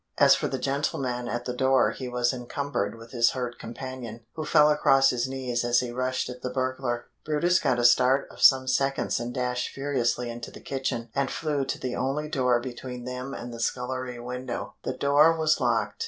As for the gentleman at the door he was encumbered with his hurt companion, who fell across his knees as he rushed at the burglar. brutus got a start of some seconds and dashed furiously into the kitchen and flew to the only door between them and the scullery window. THE DOOR WAS LOCKED.